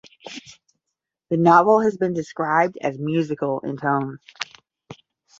The novel has been described as musical in tone.